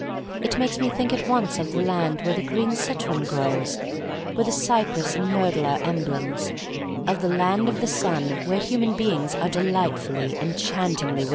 It makes me think at once of the land where the green citron grows — where the cypress and myrtle are emblems; of the land of the Sun where human beings are delightfully, enchantingly.